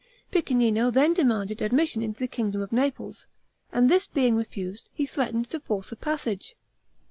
Piccinino then demanded admission into the kingdom of Naples, and this being refused, he threatened to force a passage.